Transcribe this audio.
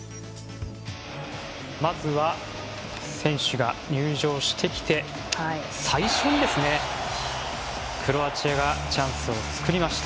まずは選手が入場してきて最初、クロアチアがチャンスを作りました。